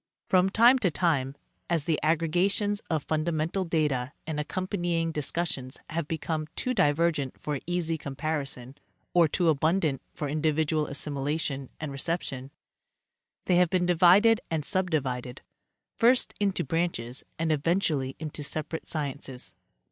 From time to time, as the aggregations of fundamental data and accompanying dis cussions have become too divergent for easy comparison or too abundant for individual assimilation and reception, they have been divided and subdivided first into branches and eventually into separate sciences.